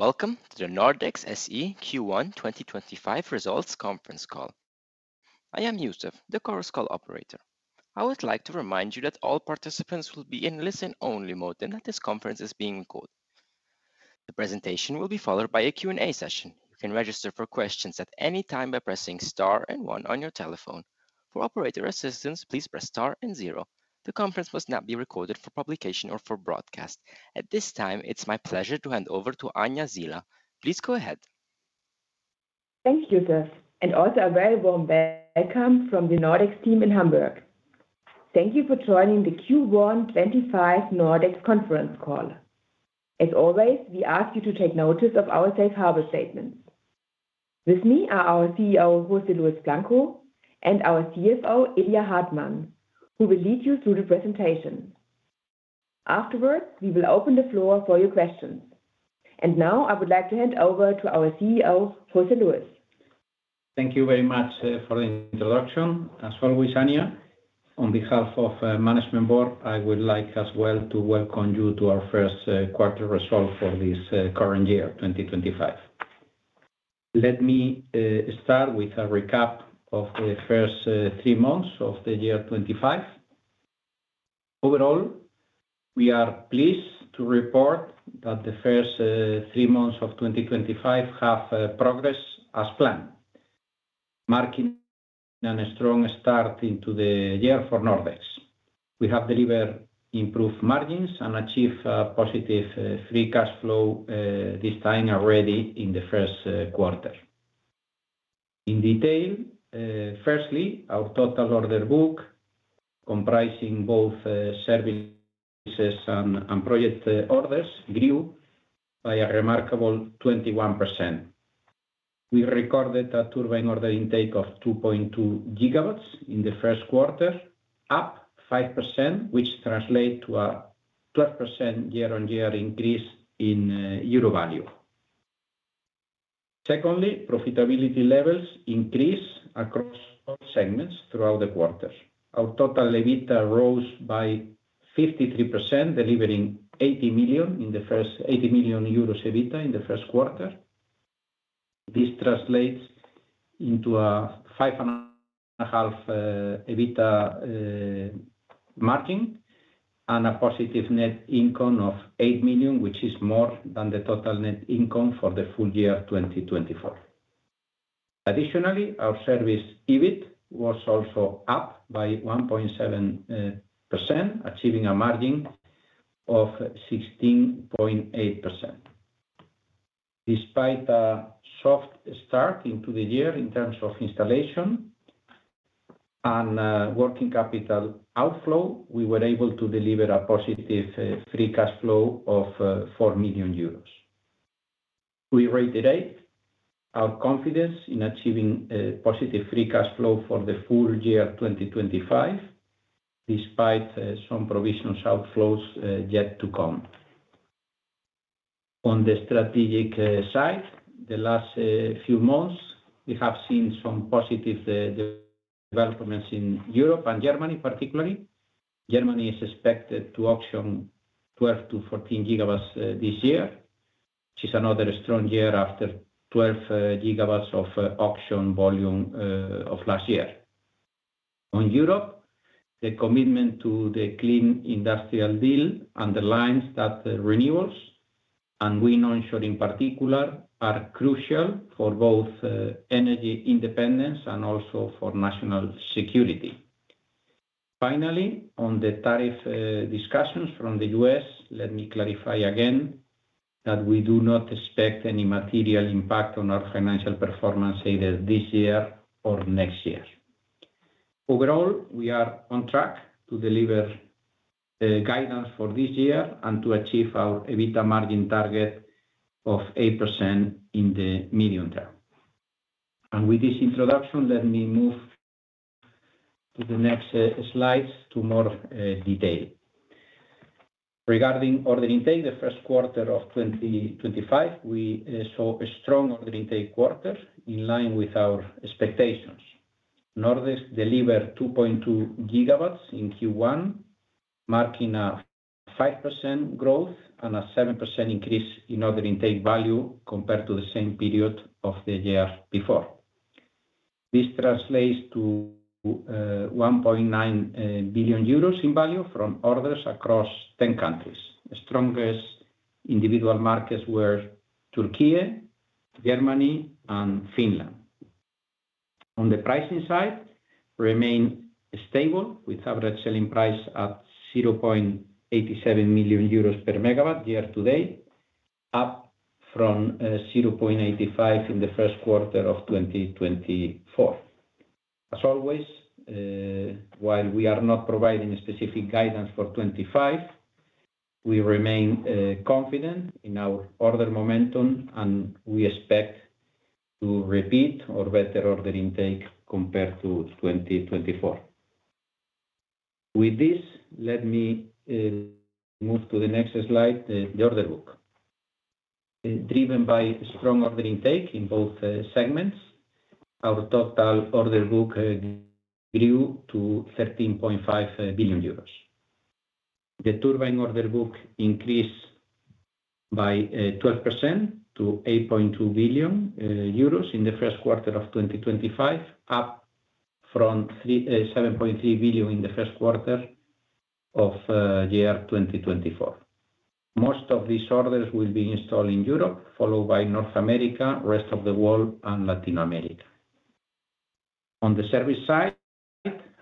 Welcome to the Nordex SE Q1 2025 results conference call. I am Yusuf, the course call operator. I would like to remind you that all participants will be in listen-only mode and that this conference is being recorded. The presentation will be followed by a Q&A session. You can register for questions at any time by pressing star and one on your telephone. For operator assistance, please press star and zero. The conference will not be recorded for publication or for broadcast. At this time, it's my pleasure to hand over to Anja Siehler. Please go ahead. Thank you, Yusuf, and also a very warm welcome from the Nordex team in Hamburg. Thank you for joining the Q1 2025 Nordex conference call. As always, we ask you to take notice of our safe harbor statements. With me are our CEO, José Luis Blanco, and our CFO, Ilya Hartmann, who will lead you through the presentation. Afterwards, we will open the floor for your questions. I would like to hand over to our CEO, José Luis. Thank you very much for the introduction. As always, Anja, on behalf of the management board, I would like as well to welcome you to our first quarter results for this current year, 2025. Let me start with a recap of the first three months of the year 2025. Overall, we are pleased to report that the first three months of 2025 have progressed as planned, marking a strong start into the year for Nordex. We have delivered improved margins and achieved a positive free cash flow this time already in the first quarter. In detail, firstly, our total order book, comprising both services and project orders, grew by a remarkable 21%. We recorded a turbine order intake of 2.2 gigawatts in the first quarter, up 5%, which translates to a 12% year-on-year increase in Euro value. Secondly, profitability levels increased across all segments throughout the quarter. Our total EBITDA rose by 53%, delivering 80 million in the first quarter. This translates into a 5.5% EBITDA margin and a positive net income of 8 million, which is more than the total net income for the full year 2024. Additionally, our service EBIT was also up by 1.7%, achieving a margin of 16.8%. Despite a soft start into the year in terms of installation and working capital outflow, we were able to deliver a positive free cash flow of 4 million euros. We reiterate our confidence in achieving a positive free cash flow for the full year 2025, despite some provisional outflows yet to come. On the strategic side, the last few months, we have seen some positive developments in Europe and Germany, particularly. Germany is expected to auction 12-14 gigawatts this year, which is another strong year after 12 gigawatts of auction volume last year. In Europe, the commitment to the clean industrial deal underlines that renewables and wind onshore in particular are crucial for both energy independence and also for national security. Finally, on the tariff discussions from the U.S., let me clarify again that we do not expect any material impact on our financial performance either this year or next year. Overall, we are on track to deliver guidance for this year and to achieve our EBITDA margin target of 8% in the medium term. With this introduction, let me move to the next slides to more detail. Regarding order intake, the first quarter of 2025, we saw a strong order intake quarter in line with our expectations. Nordex delivered 2.2 gigawatts in Q1, marking a 5% growth and a 7% increase in order intake value compared to the same period of the year before. This translates to 1.9 billion euros in value from orders across 10 countries. The strongest individual markets were Türkiye, Germany, and Finland. On the pricing side, we remain stable with average selling price at 0.87 million euros per MW year-to-date, up from 0.85 in the first quarter of 2024. As always, while we are not providing specific guidance for 2025, we remain confident in our order momentum, and we expect to repeat or better order intake compared to 2024. With this, let me move to the next slide, the order book. Driven by strong order intake in both segments, our total order book grew to 13.5 billion euros. The turbine order book increased by 12% to 8.2 billion euros in the first quarter of 2025, up from 7.3 billion in the first quarter of year 2024. Most of these orders will be installed in Europe, followed by North America, the rest of the world, and Latin America. On the service side,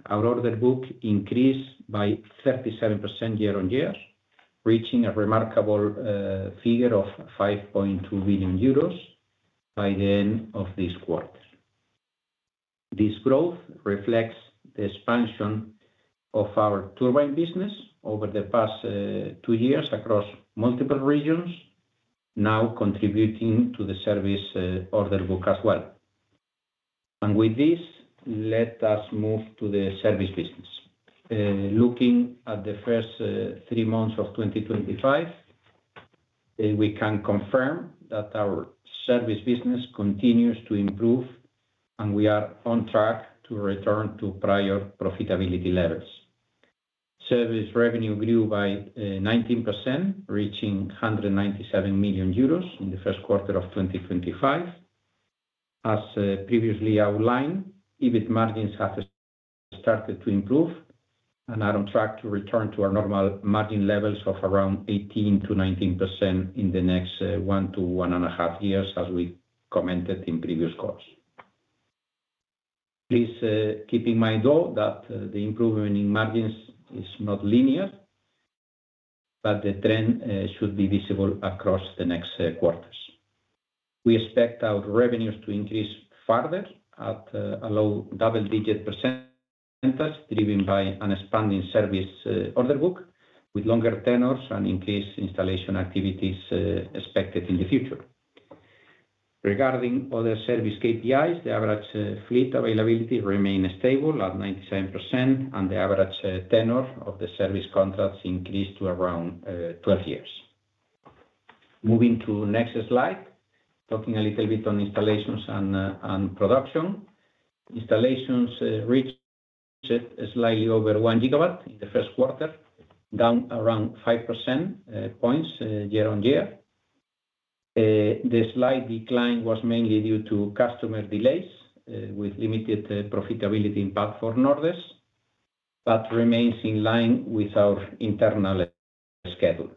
our order book increased by 37% year-on-year, reaching a remarkable figure of 5.2 billion euros by the end of this quarter. This growth reflects the expansion of our turbine business over the past two years across multiple regions, now contributing to the service order book as well. Let us move to the service business. Looking at the first three months of 2025, we can confirm that our service business continues to improve, and we are on track to return to prior profitability levels. Service revenue grew by 19%, reaching 197 million euros in the first quarter of 2025. As previously outlined, EBIT margins have started to improve and are on track to return to our normal margin levels of around 18%-19% in the next one to one and a half years, as we commented in previous calls. Please keep in mind, though, that the improvement in margins is not linear, but the trend should be visible across the next quarters. We expect our revenues to increase further at a low double-digit percentage, driven by an expanding service order book with longer tenors and increased installation activities expected in the future. Regarding other service KPIs, the average fleet availability remained stable at 97%, and the average tenor of the service contracts increased to around 12 years. Moving to the next slide, talking a little bit on installations and production. Installations reached slightly over 1 gigawatt in the first quarter, down around 5 percentage points year-on-year. The slight decline was mainly due to customer delays with limited profitability impact for Nordex, but remains in line with our internal schedule.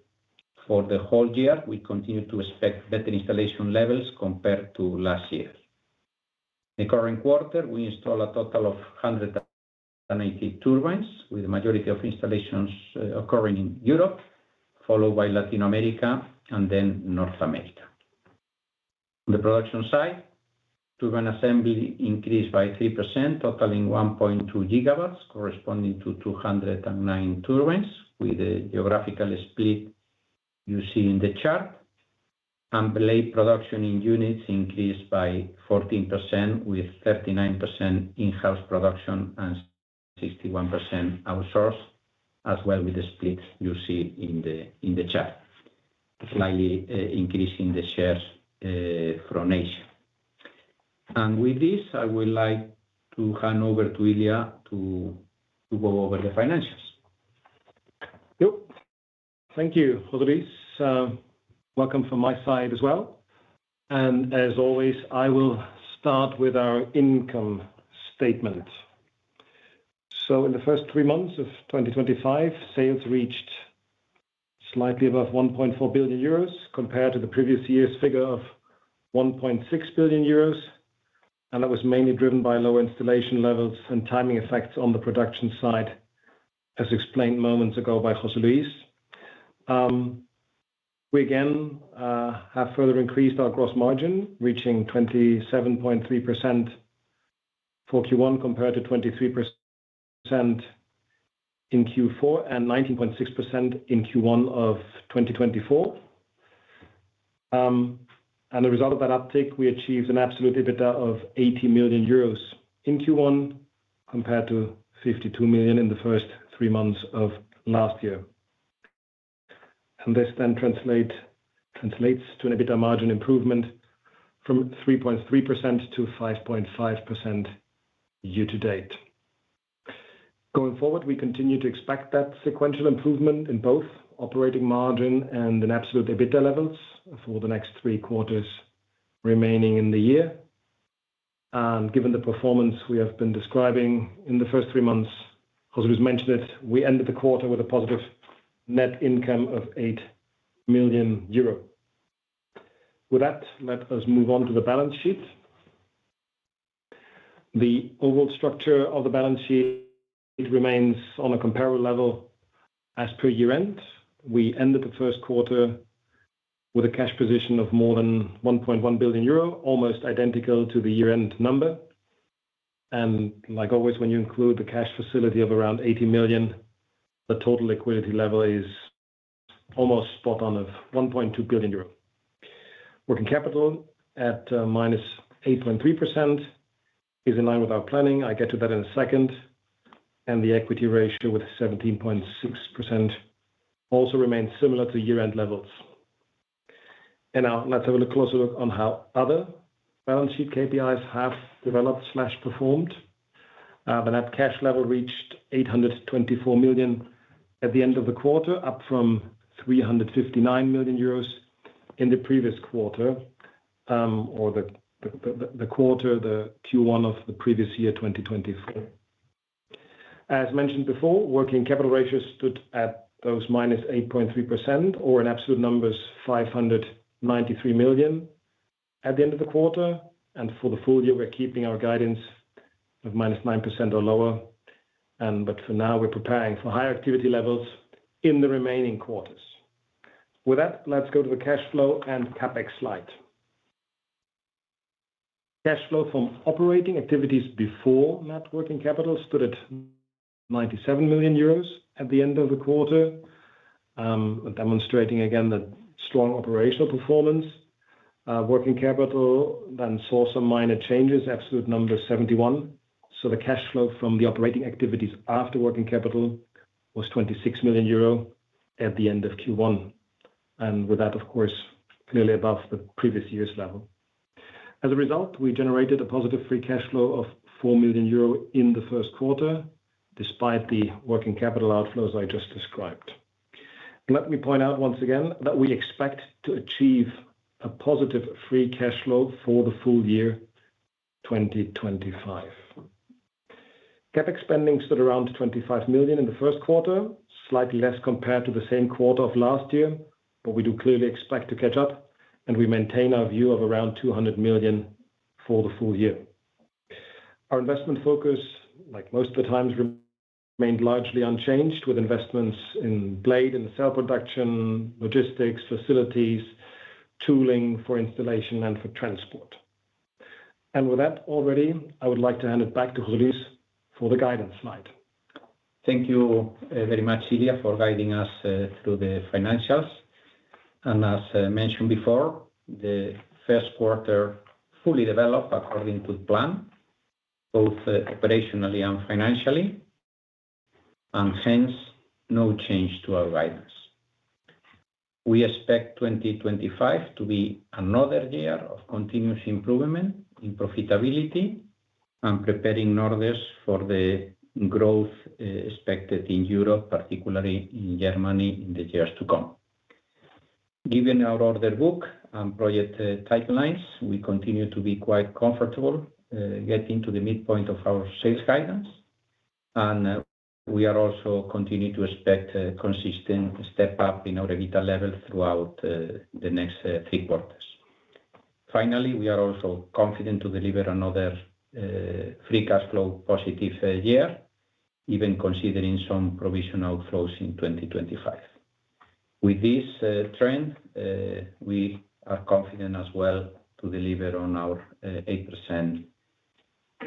For the whole year, we continue to expect better installation levels compared to last year. In the current quarter, we installed a total of 180 turbines, with the majority of installations occurring in Europe, followed by Latin America and then North America. On the production side, turbine assembly increased by 3%, totaling 1.2 gigawatts, corresponding to 209 turbines, with the geographical split you see in the chart. Blade production in units increased by 14%, with 39% in-house production and 61% outsourced, as well with the split you see in the chart, slightly increasing the shares from Asia. With this, I would like to hand over to Ilya to go over the financials. Thank you, José Luis. Welcome from my side as well. As always, I will start with our income statement. In the first three months of 2025, sales reached slightly above 1.4 billion euros compared to the previous year's figure of 1.6 billion euros, and that was mainly driven by lower installation levels and timing effects on the production side, as explained moments ago by José Luis. We again have further increased our gross margin, reaching 27.3% for Q1 compared to 23% in Q4 and 19.6% in Q1 of 2024. As a result of that uptake, we achieved an absolute EBITDA of 80 million euros in Q1 compared to 52 million in the first three months of last year. This then translates to an EBITDA margin improvement from 3.3%-5.5% year-to-date. Going forward, we continue to expect that sequential improvement in both operating margin and in absolute EBITDA levels for the next three quarters remaining in the year. Given the performance we have been describing in the first three months, José Luis mentioned it, we ended the quarter with a positive net income of 8 million euro. With that, let us move on to the balance sheet. The overall structure of the balance sheet remains on a comparable level as per year-end. We ended the first quarter with a cash position of more than 1.1 billion euro, almost identical to the year-end number. Like always, when you include the cash facility of around 80 million, the total liquidity level is almost spot on of 1.2 billion euro. Working capital at -8.3% is in line with our planning. I get to that in a second. The equity ratio with 17.6% also remains similar to year-end levels. Now, let's have a closer look on how other balance sheet KPIs have developed/performed. The net cash level reached 824 million at the end of the quarter, up from 359 million euros in the previous quarter or the quarter, the Q1 of the previous year, 2024. As mentioned before, working capital ratios stood at those -8.3% or in absolute numbers, 593 million at the end of the quarter. For the full year, we're keeping our guidance of -9% or lower. For now, we're preparing for higher activity levels in the remaining quarters. With that, let's go to the cash flow and CapEx slide. Cash flow from operating activities before net working capital stood at 97 million euros at the end of the quarter, demonstrating again the strong operational performance. Working capital then saw some minor changes, absolute number 71. The cash flow from the operating activities after working capital was 26 million euro at the end of Q1. With that, of course, clearly above the previous year's level. As a result, we generated a positive free cash flow of 4 million euro in the first quarter, despite the working capital outflows I just described. Let me point out once again that we expect to achieve a positive free cash flow for the full year 2025. CapEx spending stood around 25 million in the first quarter, slightly less compared to the same quarter of last year, but we do clearly expect to catch up, and we maintain our view of around 200 million for the full year. Our investment focus, like most of the times, remained largely unchanged, with investments in blade and cell production, logistics, facilities, tooling for installation, and for transport. With that, already, I would like to hand it back to José Luis for the guidance slide. Thank you very much, Ilya, for guiding us through the financials. As mentioned before, the first quarter fully developed according to the plan, both operationally and financially, and hence no change to our guidance. We expect 2025 to be another year of continuous improvement in profitability and preparing Nordex for the growth expected in Europe, particularly in Germany, in the years to come. Given our order book and project timelines, we continue to be quite comfortable getting to the midpoint of our sales guidance. We are also continuing to expect a consistent step-up in our EBITDA level throughout the next three quarters. Finally, we are also confident to deliver another free cash flow positive year, even considering some provisional outflows in 2025. With this trend, we are confident as well to deliver on our 8%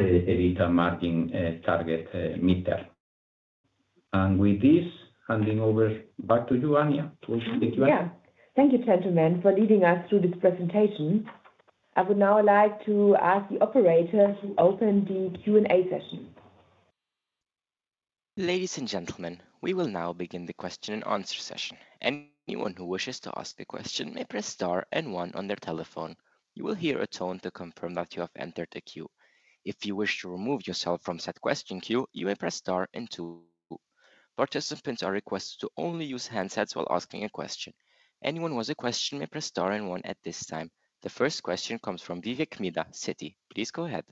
EBITDA margin target midterm. With this, handing over back to you, Anja. Thank you, gentlemen, for leading us through this presentation. I would now like to ask the operators to open the Q&A session. Ladies and gentlemen, we will now begin the question-and-answer session. Anyone who wishes to ask a question may press star and one on their telephone. You will hear a tone to confirm that you have entered the queue. If you wish to remove yourself from said question queue, you may press star and two. Participants are requested to only use handsets while asking a question. Anyone with a question may press star and one at this time. The first question comes from Vivek Midha, Citi. Please go ahead.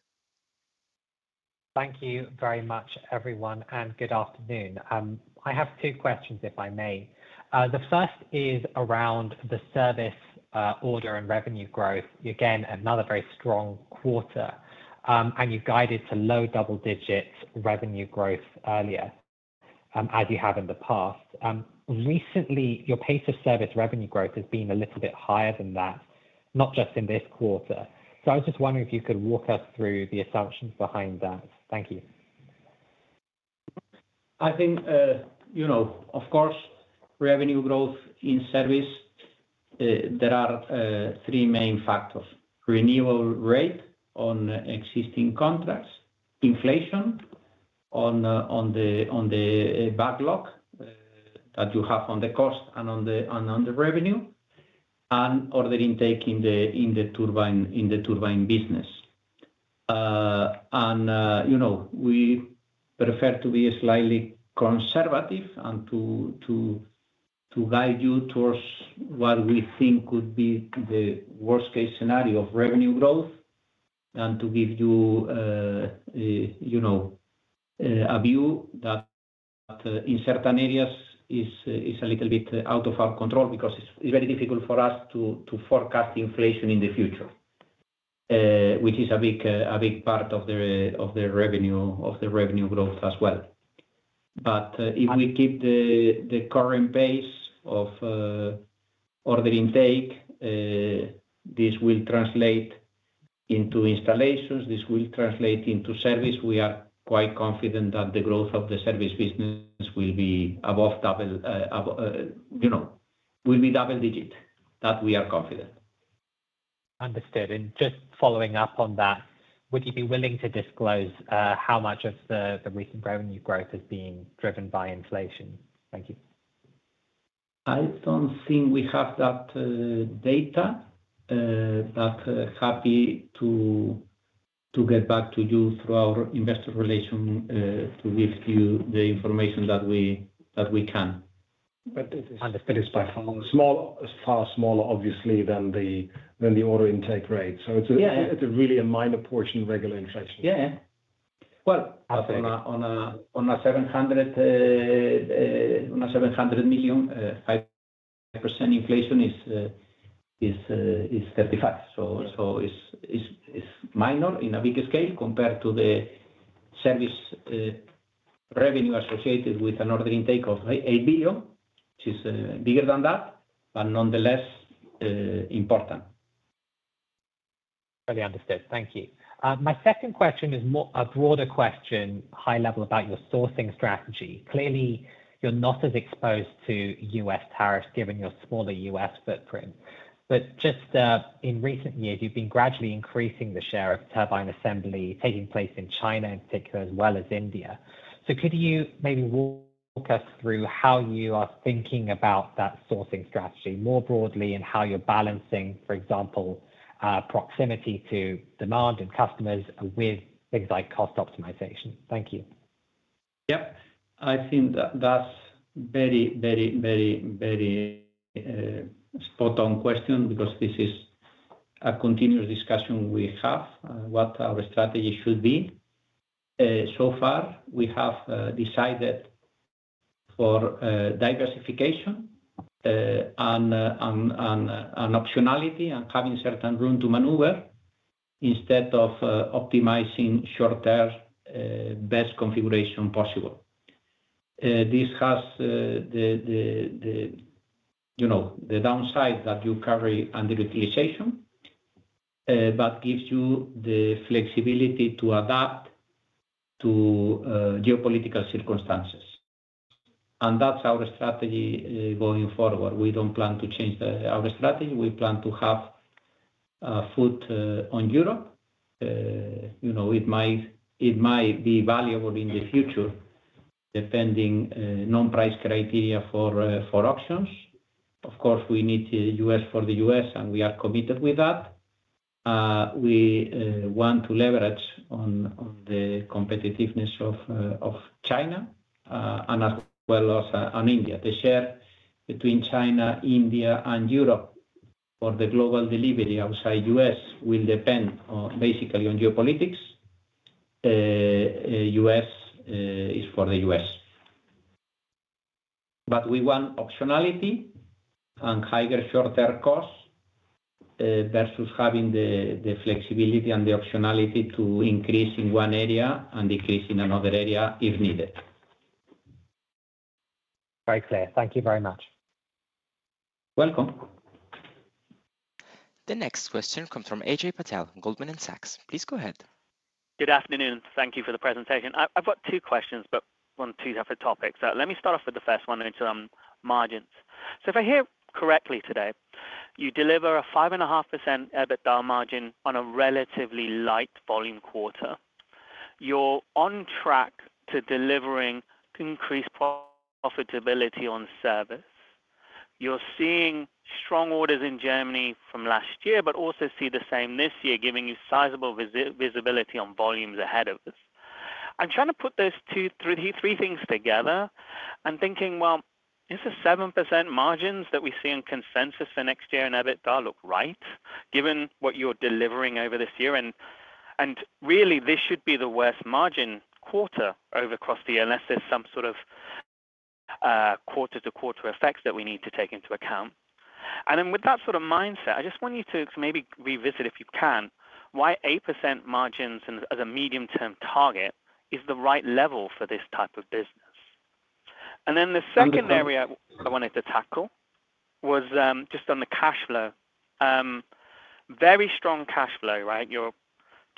Thank you very much, everyone, and good afternoon. I have two questions, if I may. The first is around the service order and revenue growth. Again, another very strong quarter, and you guided to low double-digit revenue growth earlier, as you have in the past. Recently, your pace of service revenue growth has been a little bit higher than that, not just in this quarter. I was just wondering if you could walk us through the assumptions behind that. Thank you. I think, of course, revenue growth in service, there are three main factors: renewal rate on existing contracts, inflation on the backlog that you have on the cost and on the revenue, and order intake in the turbine business. We prefer to be slightly conservative and to guide you towards what we think could be the worst-case scenario of revenue growth and to give you a view that in certain areas is a little bit out of our control because it is very difficult for us to forecast inflation in the future, which is a big part of the revenue growth as well. If we keep the current pace of order intake, this will translate into installations, this will translate into service. We are quite confident that the growth of the service business will be above double-digit, that we are confident. Understood. Just following up on that, would you be willing to disclose how much of the recent revenue growth has been driven by inflation? Thank you. I don't think we have that data, but happy to get back to you through our investor relations to give you the information that we can. It is far smaller, obviously, than the order intake rate. It is really a minor portion of regular inflation. Yeah. On 700 million, 5% inflation is 35 million. It is minor in a bigger scale compared to the service revenue associated with an order intake of 8 billion, which is bigger than that, but nonetheless important. Fully understood. Thank you. My second question is a broader question, high level about your sourcing strategy. Clearly, you're not as exposed to U.S. tariffs given your smaller U.S. footprint. Just in recent years, you've been gradually increasing the share of turbine assembly taking place in China, in particular, as well as India. Could you maybe walk us through how you are thinking about that sourcing strategy more broadly and how you're balancing, for example, proximity to demand and customers with things like cost optimization? Thank you. I think that's a very, very spot-on question because this is a continuous discussion we have on what our strategy should be. So far, we have decided for diversification and optionality and having certain room to maneuver instead of optimizing short-term best configuration possible. This has the downside that you carry underutilization, but gives you the flexibility to adapt to geopolitical circumstances. That's our strategy going forward. We don't plan to change our strategy. We plan to have a foot on Europe. It might be valuable in the future, depending on non-price criteria for options. Of course, we need the US for the US, and we are committed with that. We want to leverage on the competitiveness of China and as well as India. The share between China, India, and Europe for the global delivery outside the US will depend basically on geopolitics. U.S. is for the U.S. We want optionality and higher short-term costs versus having the flexibility and the optionality to increase in one area and decrease in another area if needed. Very clear. Thank you very much. Welcome. The next question comes from Ajay Patel, Goldman Sachs. Please go ahead. Good afternoon. Thank you for the presentation. I've got two questions, but one too different topic. Let me start off with the first one into margins. If I hear correctly today, you deliver a 5.5% EBITDA margin on a relatively light volume quarter. You're on track to delivering increased profitability on service. You're seeing strong orders in Germany from last year, but also see the same this year, giving you sizable visibility on volumes ahead of this. I'm trying to put those three things together and thinking, is the 7% margins that we see in consensus for next year in EBITDA look right, given what you're delivering over this year? This should be the worst margin quarter over the course of the year, unless there's some sort of quarter-to-quarter effect that we need to take into account. With that sort of mindset, I just want you to maybe revisit, if you can, why 8% margins as a medium-term target is the right level for this type of business. The second area I wanted to tackle was just on the cash flow. Very strong cash flow, right? You are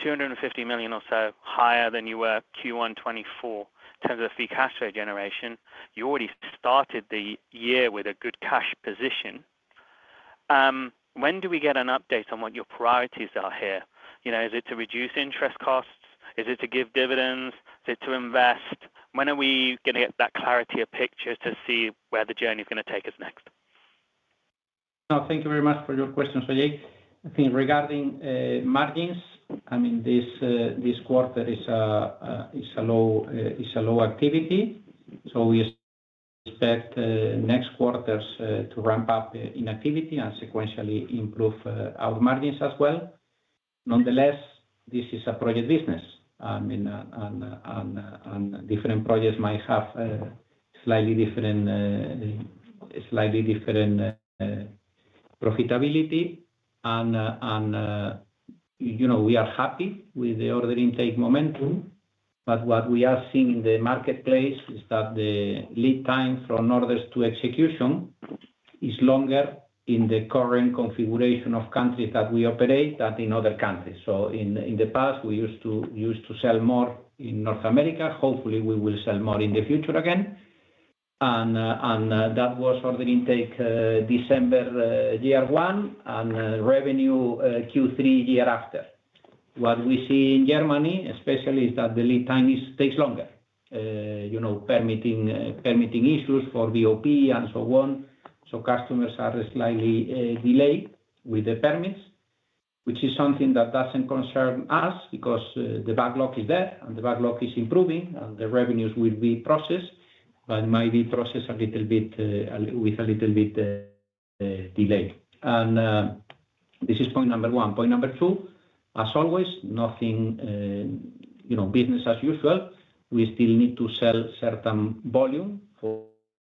250 million or so higher than you were Q1 2024 in terms of free cash flow generation. You already started the year with a good cash position. When do we get an update on what your priorities are here? Is it to reduce interest costs? Is it to give dividends? Is it to invest? When are we going to get that clarity of picture to see where the journey is going to take us next? No, thank you very much for your questions, Ajay. I think regarding margins, I mean, this quarter is a low activity. We expect next quarters to ramp up in activity and sequentially improve our margins as well. Nonetheless, this is a project business. I mean, different projects might have slightly different profitability. We are happy with the order intake momentum. What we are seeing in the marketplace is that the lead time from orders to execution is longer in the current configuration of countries that we operate than in other countries. In the past, we used to sell more in North America. Hopefully, we will sell more in the future again. That was order intake December year one and revenue Q3 year after. What we see in Germany, especially, is that the lead time takes longer, permitting issues for VOP and so on. Customers are slightly delayed with the permits, which is something that does not concern us because the backlog is there, and the backlog is improving, and the revenues will be processed, but it might be processed with a little bit of delay. This is point number one. Point number two, as always, nothing business as usual. We still need to sell certain volume for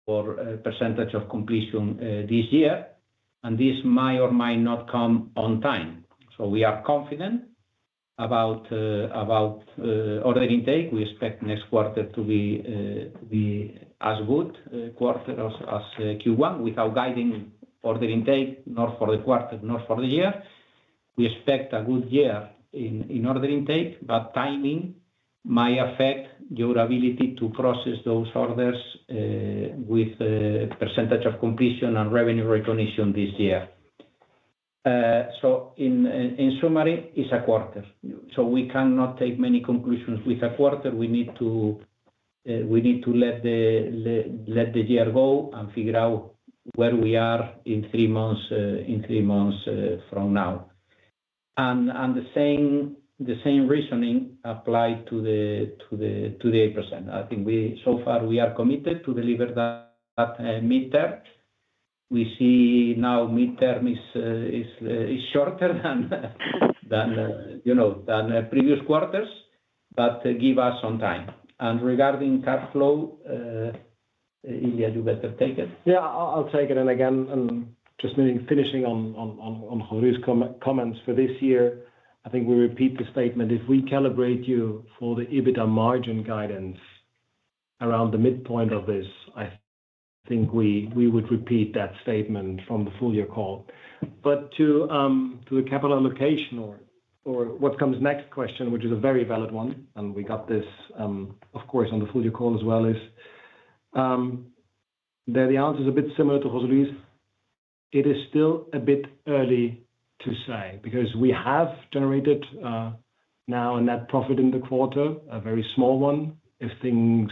a percentage of completion this year. This may or may not come on time. We are confident about order intake. We expect next quarter to be as good a quarter as Q1 without guiding order intake, not for the quarter, not for the year. We expect a good year in order intake, but timing might affect your ability to process those orders with a percentage of completion and revenue recognition this year. In summary, it is a quarter. We cannot take many conclusions with a quarter. We need to let the year go and figure out where we are in three months from now. The same reasoning applies to the 8%. I think so far, we are committed to deliver that midterm. We see now midterm is shorter than previous quarters, but give us some time. Regarding cash flow, AJ, you better take it. Yeah, I'll take it. Again, just finishing on José's comments for this year, I think we repeat the statement. If we calibrate you for the EBITDA margin guidance around the midpoint of this, I think we would repeat that statement from the full year call. To the capital allocation or what comes next question, which is a very valid one, and we got this, of course, on the full year call as well, the answer is a bit similar to José Luis. It is still a bit early to say because we have generated now a net profit in the quarter, a very small one. If things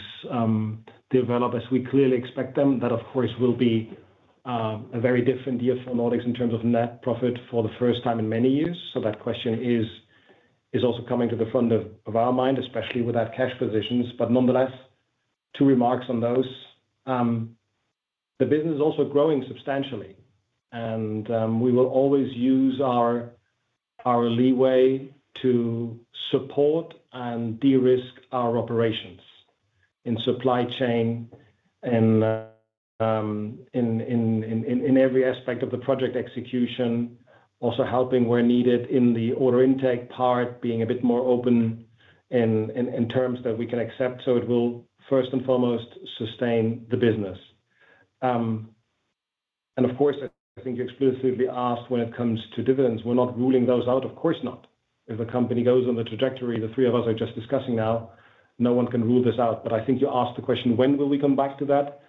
develop as we clearly expect them, that, of course, will be a very different year for Nordex in terms of net profit for the first time in many years. That question is also coming to the front of our mind, especially with our cash positions. Nonetheless, two remarks on those. The business is also growing substantially, and we will always use our leeway to support and de-risk our operations in supply chain and in every aspect of the project execution, also helping where needed in the order intake part, being a bit more open in terms that we can accept. It will, first and foremost, sustain the business. Of course, I think you explicitly asked when it comes to dividends. We're not ruling those out. Of course not. If a company goes on the trajectory the three of us are just discussing now, no one can rule this out. I think you asked the question, when will we come back to that?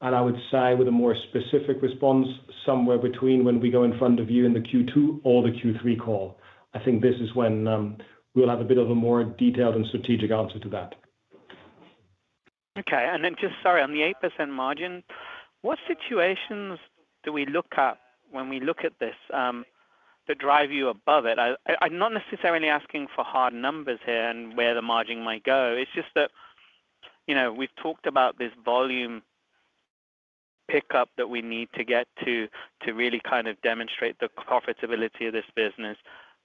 I would say with a more specific response, somewhere between when we go in front of you in the Q2 or the Q3 call. I think this is when we'll have a bit of a more detailed and strategic answer to that. Okay. Just sorry on the 8% margin. What situations do we look at when we look at this that drive you above it? I'm not necessarily asking for hard numbers here and where the margin might go. It's just that we've talked about this volume pickup that we need to get to really kind of demonstrate the profitability of this business.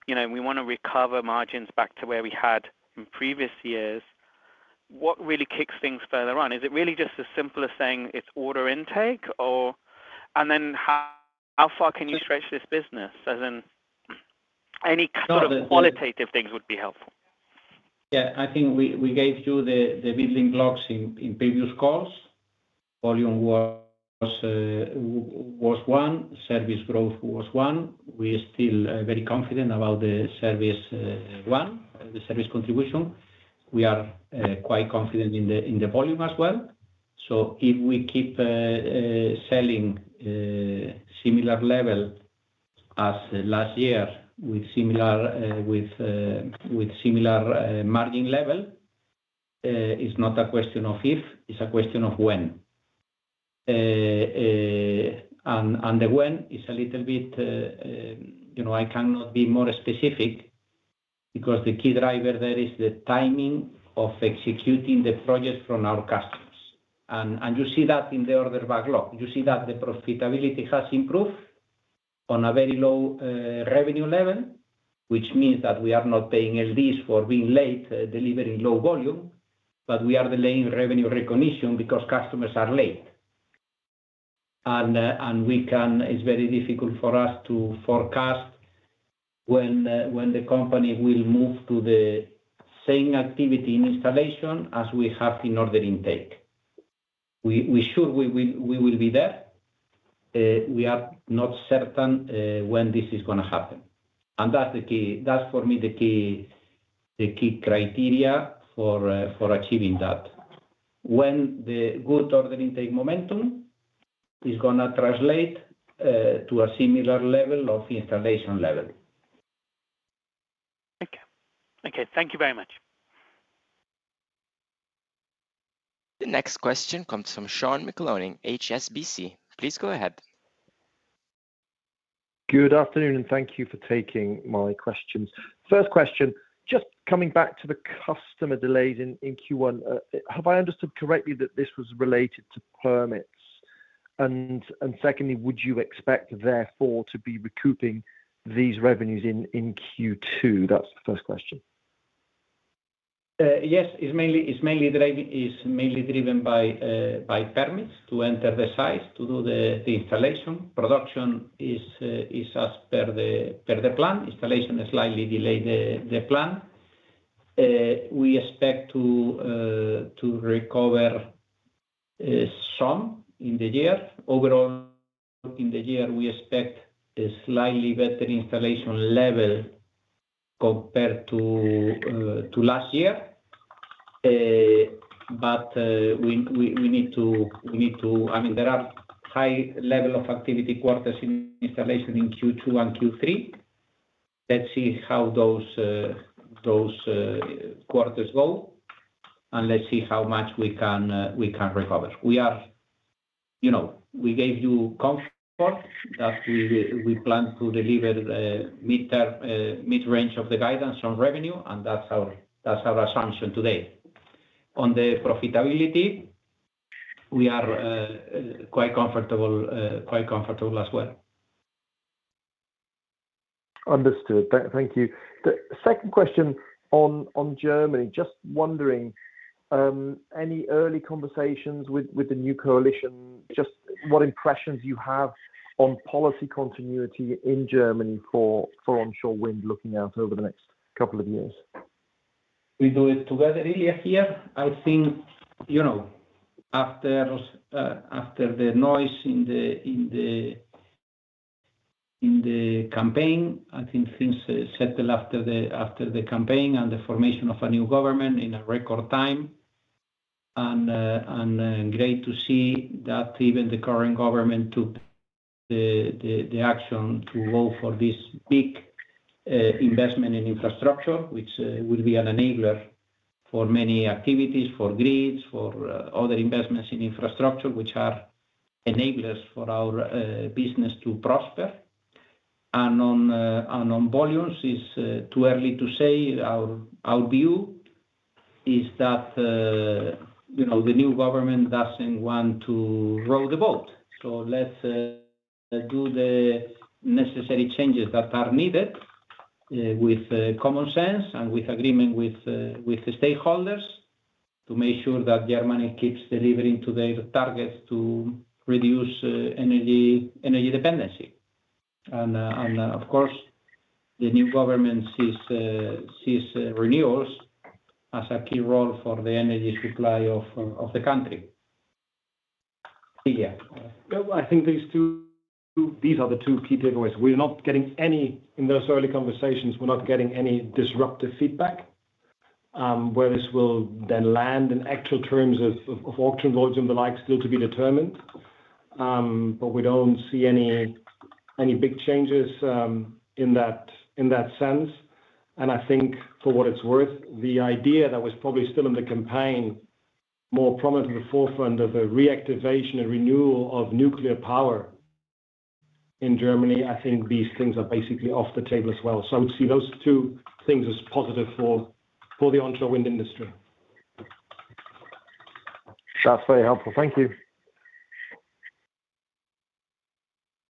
We want to recover margins back to where we had in previous years. What really kicks things further on? Is it really just as simple as saying it's order intake? How far can you stretch this business? Any sort of qualitative things would be helpful. Yeah. I think we gave you the building blocks in previous calls. Volume was one. Service growth was one. We are still very confident about the service one, the service contribution. We are quite confident in the volume as well. If we keep selling similar level as last year with similar margin level, it's not a question of if. It's a question of when. The when is a little bit I cannot be more specific because the key driver there is the timing of executing the project from our customers. You see that in the order backlog. You see that the profitability has improved on a very low revenue level, which means that we are not paying LDs for being late delivering low volume, but we are delaying revenue recognition because customers are late. It is very difficult for us to forecast when the company will move to the same activity in installation as we have in order intake. We are sure we will be there. We are not certain when this is going to happen. That is for me the key criteria for achieving that, when the good order intake momentum is going to translate to a similar level of installation level. Okay. Okay. Thank you very much. The next question comes from Sean McLoughlin, HSBC. Please go ahead. Good afternoon, and thank you for taking my questions. First question, just coming back to the customer delays in Q1, have I understood correctly that this was related to permits? Secondly, would you expect, therefore, to be recouping these revenues in Q2? That's the first question. Yes. It's mainly driven by permits to enter the sites to do the installation. Production is as per the plan. Installation is slightly delayed the plan. We expect to recover some in the year. Overall, in the year, we expect a slightly better installation level compared to last year. We need to—I mean, there are high level of activity quarters in installation in Q2 and Q3. Let's see how those quarters go, and let's see how much we can recover. We gave you comfort that we plan to deliver mid-range of the guidance on revenue, and that's our assumption today. On the profitability, we are quite comfortable as well. Understood. Thank you. Second question on Germany. Just wondering, any early conversations with the new coalition? Just what impressions you have on policy continuity in Germany for onshore wind looking out over the next couple of years? We do it together earlier here. I think after the noise in the campaign, I think things settled after the campaign and the formation of a new government in a record time. It is great to see that even the current government took the action to go for this big investment in infrastructure, which will be an enabler for many activities, for grids, for other investments in infrastructure, which are enablers for our business to prosper. On volumes, it's too early to say. Our view is that the new government doesn't want to row the boat. Let's do the necessary changes that are needed with common sense and with agreement with stakeholders to make sure that Germany keeps delivering to their targets to reduce energy dependency. Of course, the new government sees renewals as a key role for the energy supply of the country. Ilya, go ahead. Yeah. I think these are the two key takeaways. We're not getting any—in those early conversations, we're not getting any disruptive feedback. Where this will then land in actual terms of auction volumes and the like is still to be determined. We don't see any big changes in that sense. I think, for what it's worth, the idea that was probably still in the campaign, more prominent at the forefront of the reactivation and renewal of nuclear power in Germany, I think these things are basically off the table as well. I would see those two things as positive for the onshore wind industry. That's very helpful. Thank you.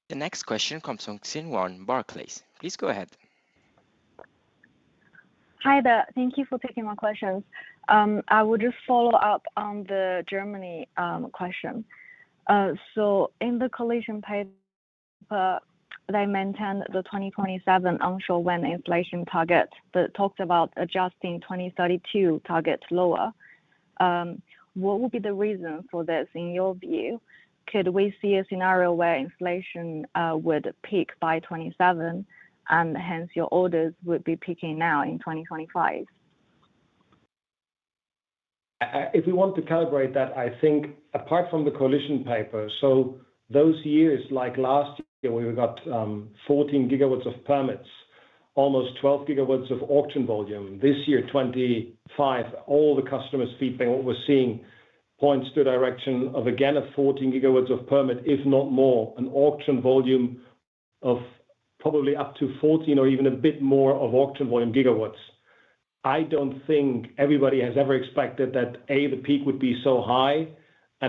The next question comes from Xin Wang, Barclays. Please go ahead. Hi, there. Thank you for taking my questions. I would just follow up on the Germany question. In the coalition paper that mentioned the 2027 onshore wind inflation target that talked about adjusting 2032 targets lower, what would be the reason for this in your view? Could we see a scenario where inflation would peak by 2027, and hence your orders would be peaking now in 2025? If we want to calibrate that, I think apart from the coalition paper, those years like last year where we got 14 gigawatts of permits, almost 12 gigawatts of auction volume, this year 2025, all the customers' feedback, what we're seeing points to a direction of, again, a 14 gigawatts of permit, if not more, an auction volume of probably up to 14 or even a bit more of auction volume gigawatts. I do not think everybody has ever expected that, A, the peak would be so high, and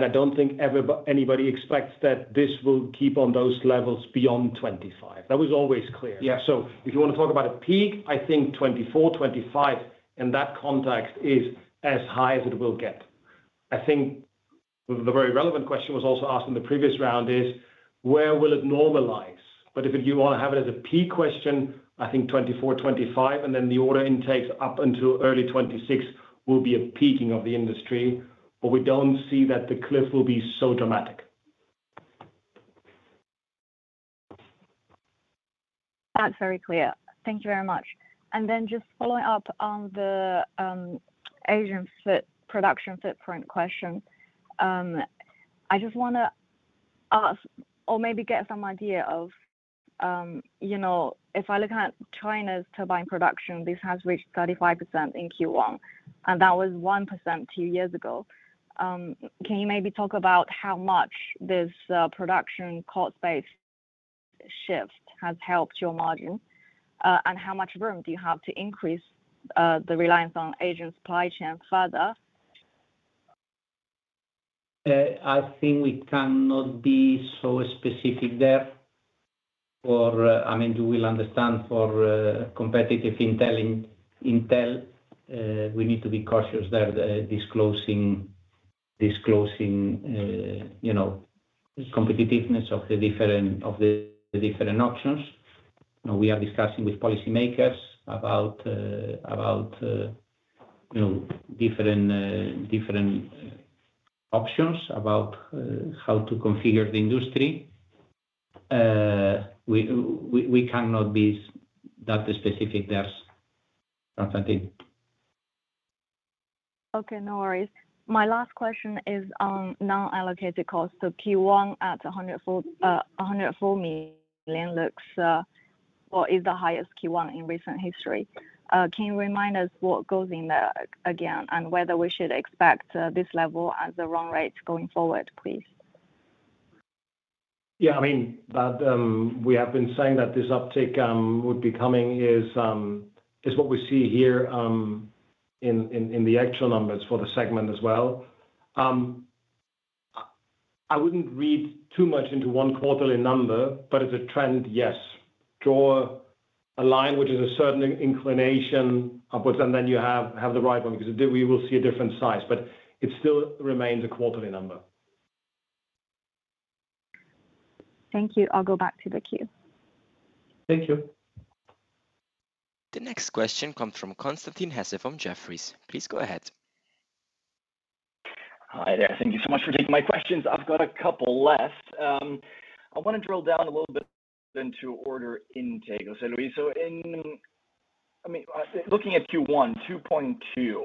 I do not think anybody expects that this will keep on those levels beyond 2025. That was always clear. If you want to talk about a peak, I think 2024, 2025, in that context, is as high as it will get. I think the very relevant question was also asked in the previous round, where will it normalize? If you want to have it as a peak question, I think 2024, 2025, and then the order intakes up until early 2026 will be a peaking of the industry. We do not see that the cliff will be so dramatic. That's very clear. Thank you very much. Just following up on the Asian production footprint question, I just want to ask or maybe get some idea of if I look at China's turbine production, this has reached 35% in Q1, and that was 1% two years ago. Can you maybe talk about how much this production cost-based shift has helped your margin and how much room do you have to increase the reliance on Asian supply chain further? I think we cannot be so specific there. I mean, you will understand for competitive intel, we need to be cautious there disclosing competitiveness of the different options. We are discussing with policymakers about different options, about how to configure the industry. We cannot be that specific there, I think. Okay. No worries. My last question is on non-allocated cost. Q1 at 104 million looks or is the highest Q1 in recent history. Can you remind us what goes in there again and whether we should expect this level as the run rate going forward, please? Yeah. I mean, that we have been saying that this uptick would be coming is what we see here in the actual numbers for the segment as well. I would not read too much into one quarterly number, but as a trend, yes. Draw a line which is a certain inclination upwards, and then you have the right one because we will see a different size. It still remains a quarterly number. Thank you. I'll go back to the queue. Thank you. The next question comes from Constantin Hesse from Jefferies. Please go ahead. Hi, there. Thank you so much for taking my questions. I've got a couple left. I want to drill down a little bit into order intake. I mean, looking at Q1, 2.2,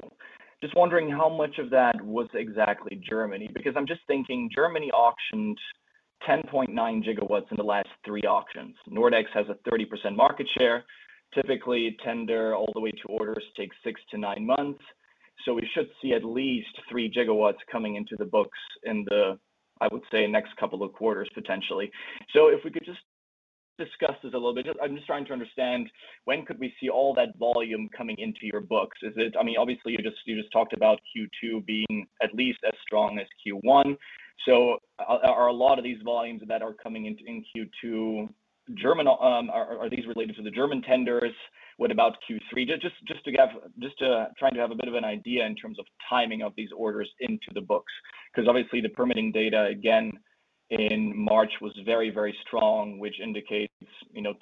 just wondering how much of that was exactly Germany? Because I'm just thinking Germany auctioned 10.9 gigawatts in the last three auctions. Nordex has a 30% market share. Typically, tender all the way to orders takes six to nine months. We should see at least 3 gigawatts coming into the books in the, I would say, next couple of quarters, potentially. If we could just discuss this a little bit, I'm just trying to understand when could we see all that volume coming into your books? I mean, obviously, you just talked about Q2 being at least as strong as Q1. Are a lot of these volumes that are coming in Q2 related to the German tenders? What about Q3? Just trying to have a bit of an idea in terms of timing of these orders into the books. Because obviously, the permitting data, again, in March was very, very strong, which indicates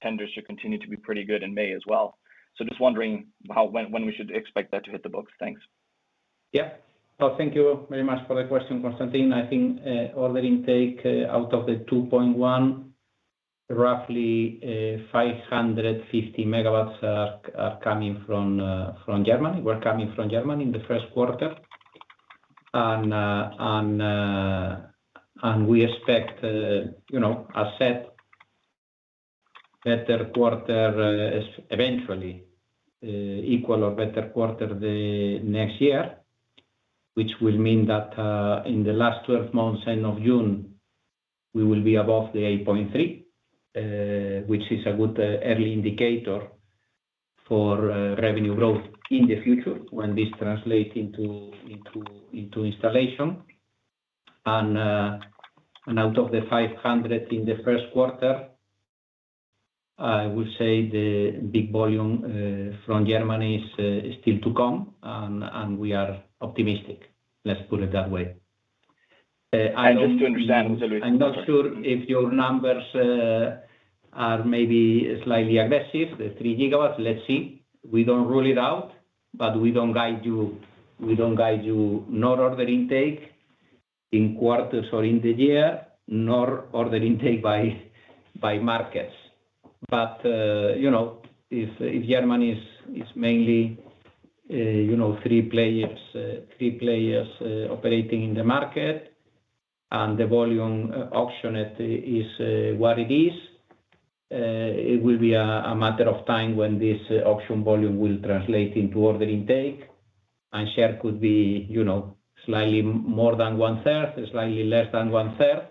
tenders should continue to be pretty good in May as well. Just wondering when we should expect that to hit the books. Thanks. Yeah. Thank you very much for the question, Konstantin. I think order intake out of the 2.1, roughly 550 MW are coming from Germany. We're coming from Germany in the first quarter. We expect a set better quarter eventually, equal or better quarter the next year, which will mean that in the last 12 months, end of June, we will be above the 8.3, which is a good early indicator for revenue growth in the future when this translates into installation. Out of the 500 in the first quarter, I would say the big volume from Germany is still to come, and we are optimistic. Let's put it that way. I'm just trying to understand, I'm sorry. I'm not sure if your numbers are maybe slightly aggressive, the three gigawatts. Let's see. We don't rule it out, but we don't guide you nor order intake in quarters or in the year, nor order intake by markets. If Germany is mainly three players operating in the market and the volume auctioned is what it is, it will be a matter of time when this auction volume will translate into order intake. Share could be slightly more than one-third, slightly less than one-third,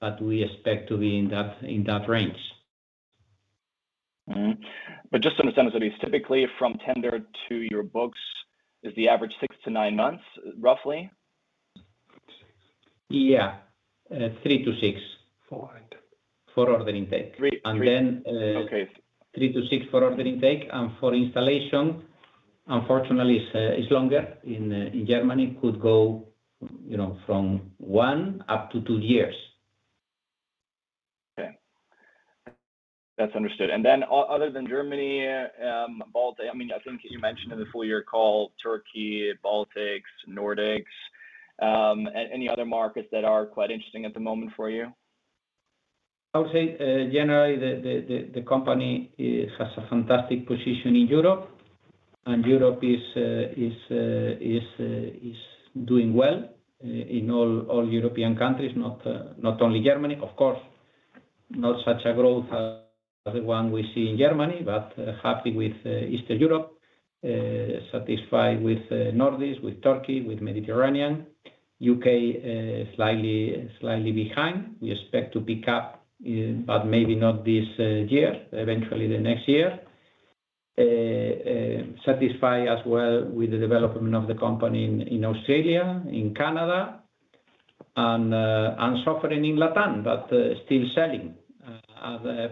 but we expect to be in that range. Just to understand, I said it's typically from tender to your books is the average six to nine months, roughly? Yeah. Three to six for order intake. Three to six for order intake. For installation, unfortunately, it's longer in Germany. It could go from one up to two years. Okay. That's understood. I mean, I think you mentioned in the four-year call, Turkey, Baltics, Nordics, any other markets that are quite interesting at the moment for you? I would say generally the company has a fantastic position in Europe, and Europe is doing well in all European countries, not only Germany. Of course, not such a growth as the one we see in Germany, but happy with Eastern Europe, satisfied with the Nordics, with Turkey, with Mediterranean. U.K. slightly behind. We expect to pick up, but maybe not this year, eventually the next year. Satisfied as well with the development of the company in Australia, in Canada, and suffering in Latin, but still selling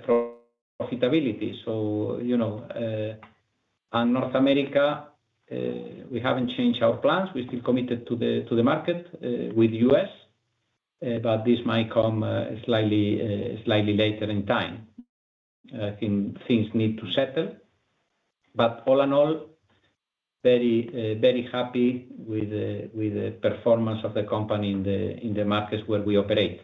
profitability. In North America, we haven't changed our plans. We're still committed to the market with the U.S., but this might come slightly later in time. I think things need to settle. All in all, very happy with the performance of the company in the markets where we operate.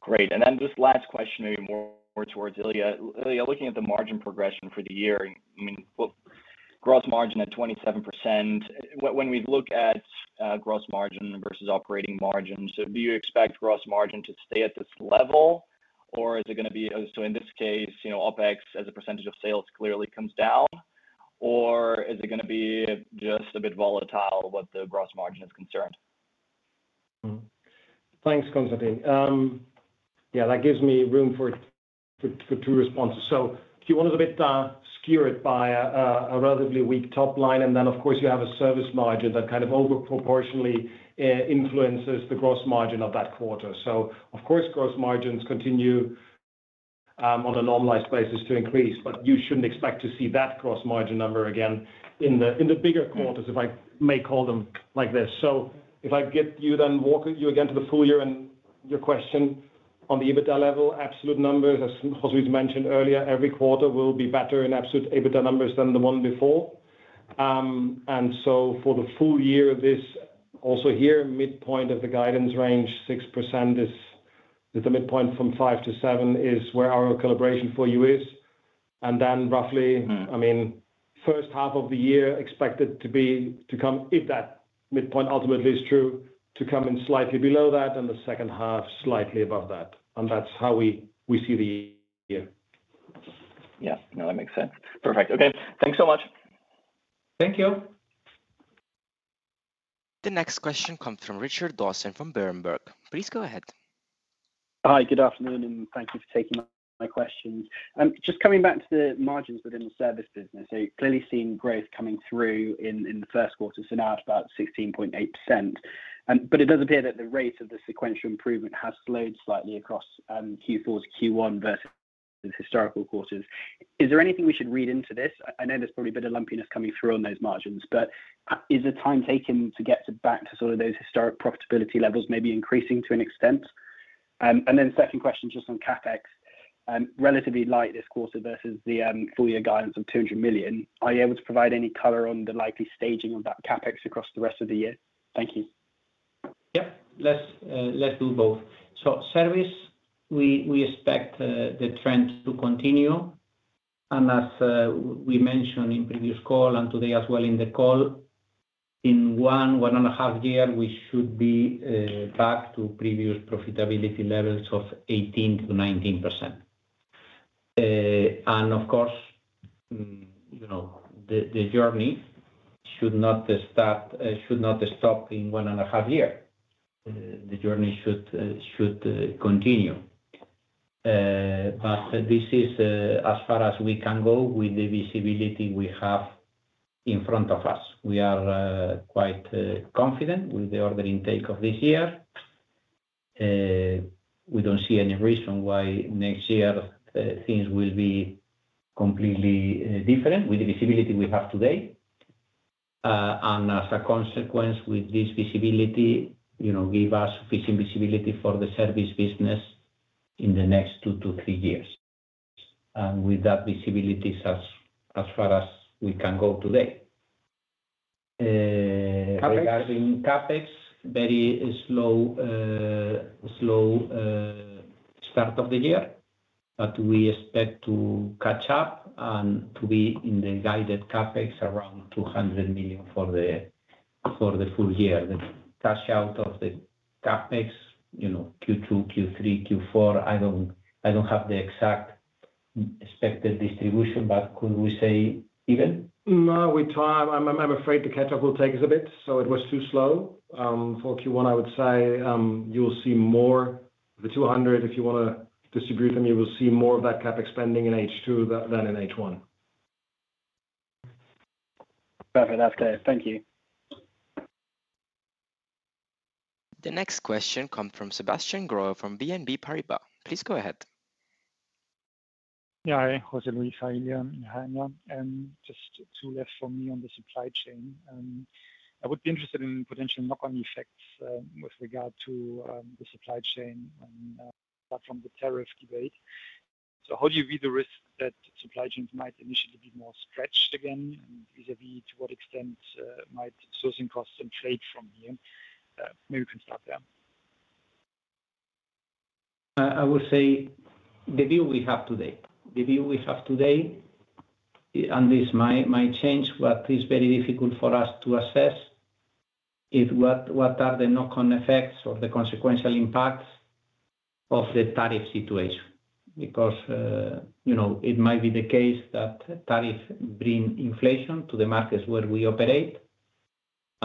Great. Then just last question maybe more towards Ilya. Ilya, looking at the margin progression for the year, I mean, gross margin at 27%, when we look at gross margin versus operating margin, do you expect gross margin to stay at this level, or is it going to be, in this case, OpEx as a percentage of sales clearly comes down, or is it going to be just a bit volatile where the gross margin is concerned? Thanks, Konstantin. Yeah, that gives me room for two responses. Q1 is a bit skewed by a relatively weak top line, and then, of course, you have a service margin that kind of overproportionately influences the gross margin of that quarter. Of course, gross margins continue on a normalized basis to increase, but you should not expect to see that gross margin number again in the bigger quarters, if I may call them like this. If I get you, then walk you again to the full year and your question on the EBITDA level, absolute numbers, as we mentioned earlier, every quarter will be better in absolute EBITDA numbers than the one before. For the full year, this also here, midpoint of the guidance range, 6% is the midpoint from 5%-7% is where our calibration for you is. I mean, first half of the year expected to be, if that midpoint ultimately is true, to come in slightly below that and the second half slightly above that. That is how we see the year. Yeah. No, that makes sense. Perfect. Okay. Thanks so much. Thank you. The next question comes from Richard Dawson from Berenberg. Please go ahead. Hi, good afternoon, and thank you for taking my questions. Just coming back to the margins within the service business, so clearly seeing growth coming through in the first quarter, so now it's about 16.8%. It does appear that the rate of the sequential improvement has slowed slightly across Q4 to Q1 versus historical quarters. Is there anything we should read into this? I know there's probably a bit of lumpiness coming through on those margins, but is the time taken to get back to sort of those historic profitability levels maybe increasing to an extent? My second question, just on CapEx, relatively light this quarter versus the full-year guidance of 200 million. Are you able to provide any color on the likely staging of that CapEx across the rest of the year? Thank you. Yep. Let's do both. Service, we expect the trend to continue. As we mentioned in previous call and today as well in the call, in one, one and a half year, we should be back to previous profitability levels of 18%-19%. Of course, the journey should not stop in one and a half year. The journey should continue. This is as far as we can go with the visibility we have in front of us. We are quite confident with the order intake of this year. We do not see any reason why next year things will be completely different with the visibility we have today. As a consequence, this visibility gives us sufficient visibility for the service business in the next two to three years. With that visibility, as far as we can go today. Regarding CapEx, very slow start of the year, but we expect to catch up and to be in the guided CapEx around 200 million for the full year. The cash out of the CapEx, Q2, Q3, Q4, I do not have the exact expected distribution, but could we say even? No, I'm afraid the catch-up will take us a bit. It was too slow. For Q1, I would say you'll see more of the 200, if you want to distribute them, you will see more of that CapEx spending in H2 than in H1. Perfect. That's it. Thank you. The next question comes from Sebastian Growe from BNP Paribas. Please go ahead. Yeah. Hi, José Luis, Ilya, and just two left from me on the supply chain. I would be interested in potential knock-on effects with regard to the supply chain and from the tariff debate. How do you view the risk that supply chains might initially be more stretched again vis-à-vis to what extent might sourcing costs inflate from here? Maybe we can start there. I will say the view we have today. The view we have today, and this might change, but it's very difficult for us to assess what are the knock-on effects or the consequential impacts of the tariff situation. Because it might be the case that tariffs bring inflation to the markets where we operate,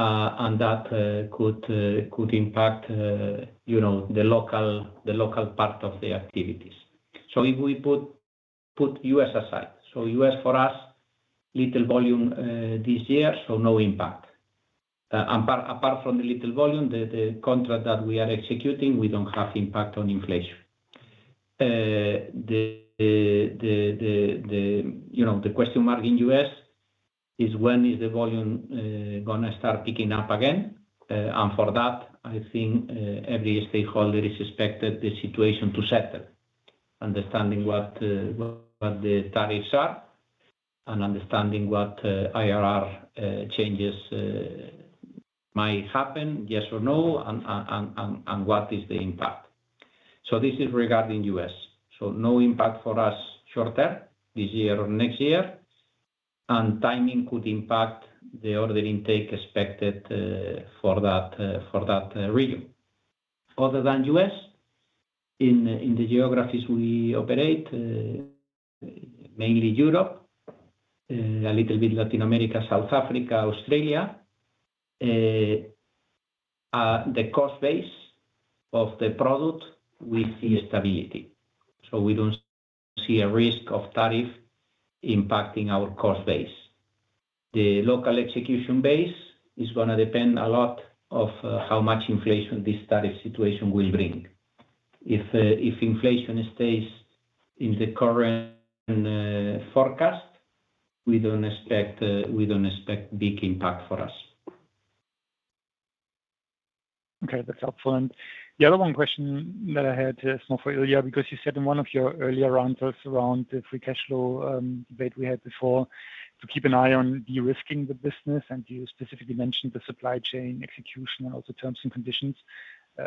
and that could impact the local part of the activities. If we put US aside, US for us, little volume this year, so no impact. Apart from the little volume, the contract that we are executing, we don't have impact on inflation. The question mark in US is when is the volume going to start picking up again? For that, I think every stakeholder is expected the situation to settle, understanding what the tariffs are and understanding what IRR changes might happen, yes or no, and what is the impact. This is regarding the U.S. No impact for us short-term this year or next year. Timing could impact the order intake expected for that region. Other than the U.S., in the geographies we operate, mainly Europe, a little bit Latin America, South Africa, Australia, the cost base of the product will see stability. We do not see a risk of tariff impacting our cost base. The local execution base is going to depend a lot on how much inflation this tariff situation will bring. If inflation stays in the current forecast, we do not expect big impact for us. Okay. That's helpful. The other one question that I had, small for you, Ilya, because you said in one of your earlier remarks around the free cash flow debate we had before, to keep an eye on de-risking the business, and you specifically mentioned the supply chain execution and also terms and conditions.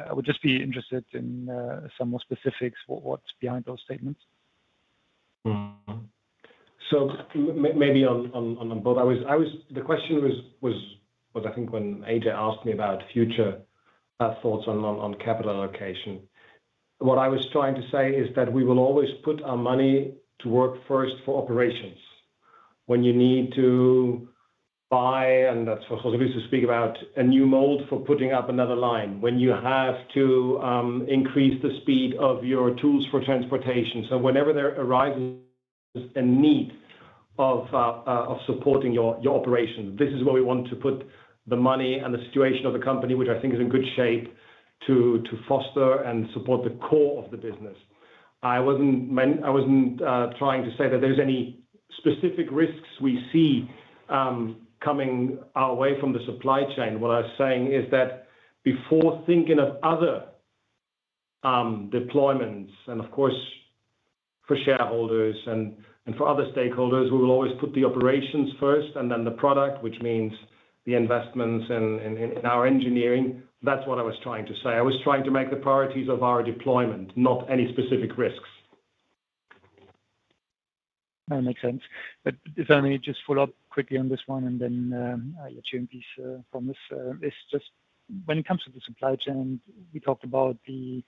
I would just be interested in some more specifics of what's behind those statements. Maybe on both, the question was, I think when AJ asked me about future thoughts on capital allocation. What I was trying to say is that we will always put our money to work first for operations when you need to buy, and that's for José Luis to speak about a new mold for putting up another line when you have to increase the speed of your tools for transportation. Whenever there arises a need of supporting your operations, this is where we want to put the money and the situation of the company, which I think is in good shape, to foster and support the core of the business. I wasn't trying to say that there's any specific risks we see coming our way from the supply chain. What I was saying is that before thinking of other deployments, and of course, for shareholders and for other stakeholders, we will always put the operations first and then the product, which means the investments in our engineering. That is what I was trying to say. I was trying to make the priorities of our deployment, not any specific risks. That makes sense. If I may just follow up quickly on this one and then I'll let you in peace from this. It's just when it comes to the supply chain, we talked about the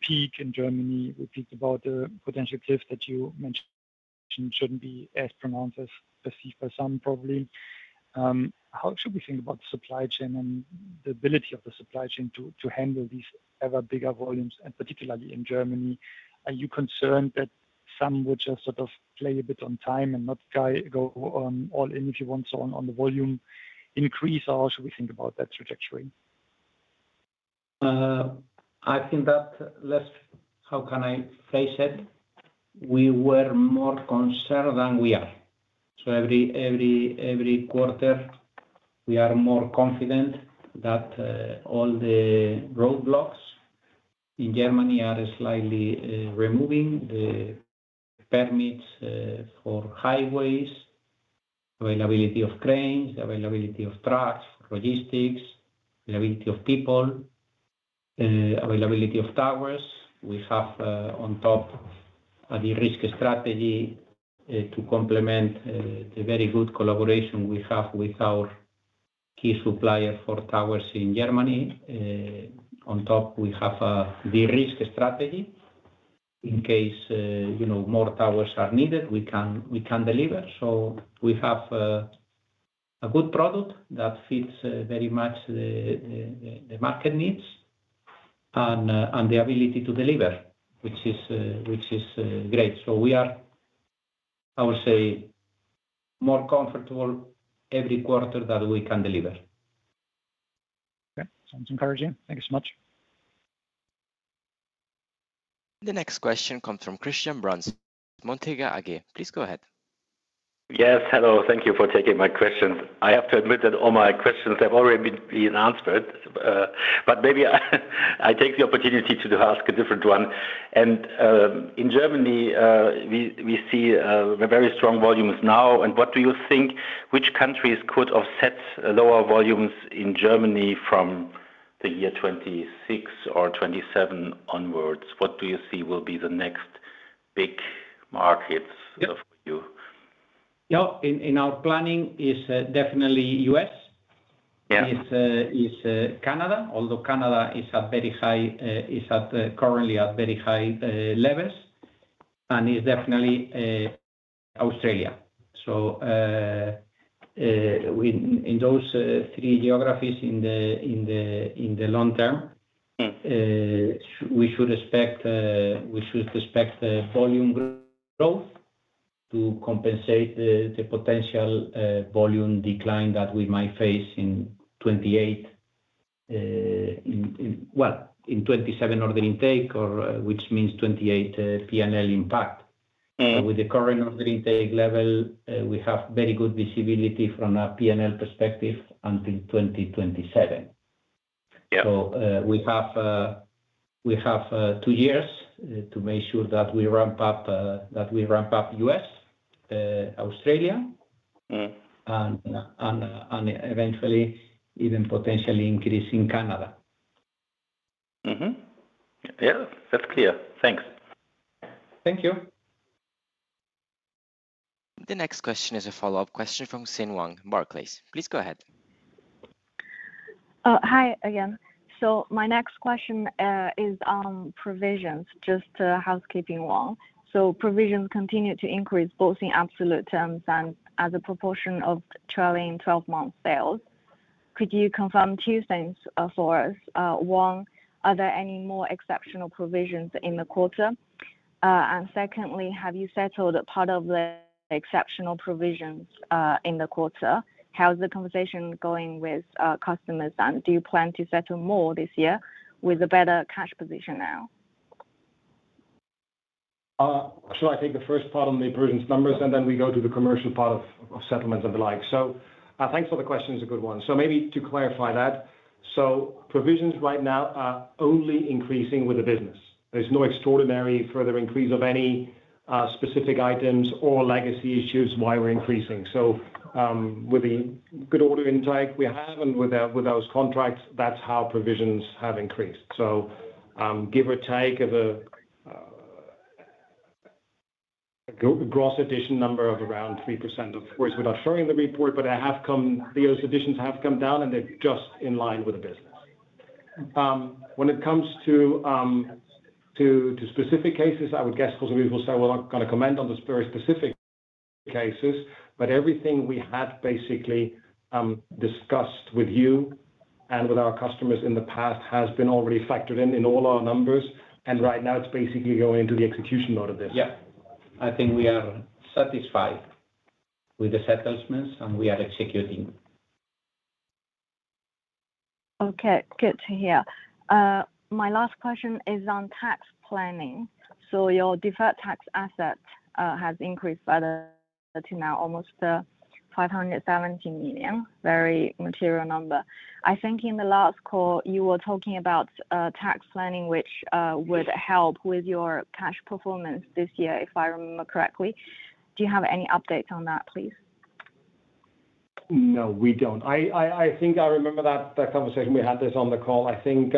peak in Germany. We talked about the potential cliff that you mentioned shouldn't be as pronounced as perceived by some, probably. How should we think about the supply chain and the ability of the supply chain to handle these ever bigger volumes, and particularly in Germany? Are you concerned that some would just sort of play a bit on time and not go all in, if you want, on the volume increase, or how should we think about that trajectory? I think that, how can I phrase it, we were more concerned than we are. Every quarter, we are more confident that all the roadblocks in Germany are slightly removing the permits for highways, availability of cranes, availability of trucks, logistics, availability of people, availability of towers. We have, on top, a de-risk strategy to complement the very good collaboration we have with our key supplier for towers in Germany. On top, we have a de-risk strategy. In case more towers are needed, we can deliver. We have a good product that fits very much the market needs and the ability to deliver, which is great. We are, I would say, more comfortable every quarter that we can deliver. Okay. Sounds encouraging. Thank you so much. The next question comes from Christian Bruns, Montega AG. Please go ahead. Yes. Hello. Thank you for taking my question. I have to admit that all my questions have already been answered, but maybe I take the opportunity to ask a different one. In Germany, we see very strong volumes now. What do you think, which countries could offset lower volumes in Germany from the year 2026 or 2027 onwards? What do you see will be the next big markets for you? Yeah. In our planning, it's definitely US, it's Canada, although Canada is at very high, is currently at very high levels, and it's definitely Australia. In those three geographies in the long term, we should expect volume growth to compensate the potential volume decline that we might face in 2028, in 2027 order intake, which means 2028 P&L impact. With the current order intake level, we have very good visibility from a P&L perspective until 2027. We have two years to make sure that we ramp up US, Australia, and eventually even potentially increase in Canada. Yeah. That's clear. Thanks. Thank you. The next question is a follow-up question from Xin Wang, Barclays. Please go ahead. Hi, again. My next question is on provisions, just a housekeeping one. Provisions continue to increase both in absolute terms and as a proportion of trailing 12-month sales. Could you confirm two things for us? One, are there any more exceptional provisions in the quarter? Secondly, have you settled a part of the exceptional provisions in the quarter? How's the conversation going with customers? Do you plan to settle more this year with a better cash position now? Shall I take the first part on the provisions numbers, and then we go to the commercial part of settlements and the like? Thanks for the question. It's a good one. Maybe to clarify that, provisions right now are only increasing with the business. There's no extraordinary further increase of any specific items or legacy issues why we're increasing. With the good order intake we have and with those contracts, that's how provisions have increased. Give or take a gross addition number of around 3%, of course, without showing the report, but the additions have come down, and they're just in line with the business. When it comes to specific cases, I would guess José Luis will say we're not going to comment on the very specific cases, but everything we had basically discussed with you and with our customers in the past has been already factored in in all our numbers. Right now, it's basically going into the execution mode of this. Yeah. I think we are satisfied with the settlements, and we are executing. Okay. Good to hear. My last question is on tax planning. Your deferred tax asset has increased further to now almost 570 million, very material number. I think in the last call, you were talking about tax planning, which would help with your cash performance this year, if I remember correctly. Do you have any updates on that, please? No, we don't. I think I remember that conversation we had on the call. I think,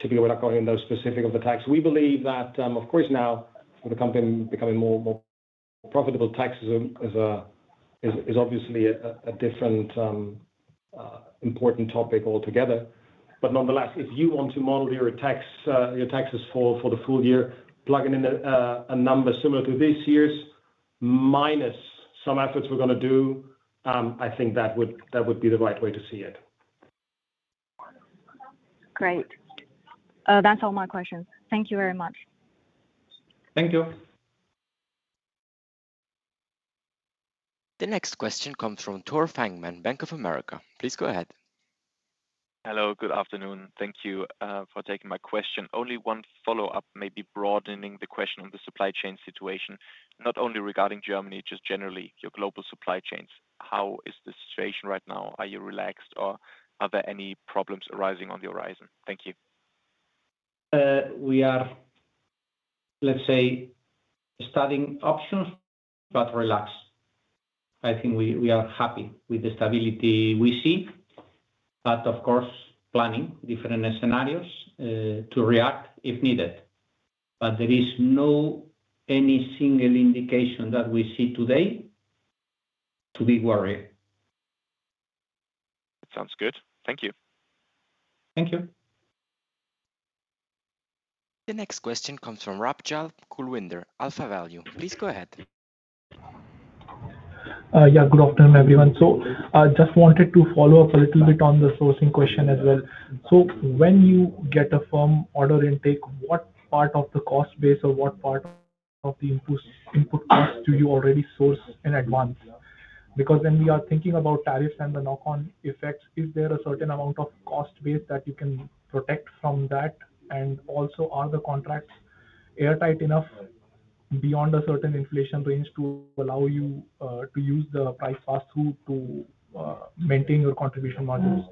typically, we're not going into those specifics of the tax. We believe that, of course, now with the company becoming more profitable, tax is obviously a different important topic altogether. Nonetheless, if you want to model your taxes for the full year, plugging in a number similar to this year's minus some efforts we're going to do, I think that would be the right way to see it. Great. That's all my questions. Thank you very much. Thank you. The next question comes from Tore Fangmann, Bank of America. Please go ahead. Hello. Good afternoon. Thank you for taking my question. Only one follow-up, maybe broadening the question on the supply chain situation, not only regarding Germany, just generally your global supply chains. How is the situation right now? Are you relaxed, or are there any problems arising on the horizon? Thank you. We are, let's say, studying options, but relaxed. I think we are happy with the stability we see. Of course, planning different scenarios to react if needed. There is no any single indication that we see today to be worried. That sounds good. Thank you. Thank you. The next question comes from Kulwinder Rajpal, AlphaValue. Please go ahead. Yeah. Good afternoon, everyone. I just wanted to follow up a little bit on the sourcing question as well. When you get a firm order intake, what part of the cost base or what part of the input costs do you already source in advance? Because when we are thinking about tariffs and the knock-on effects, is there a certain amount of cost base that you can protect from that? Also, are the contracts airtight enough beyond a certain inflation range to allow you to use the price pass-through to maintain your contribution margins?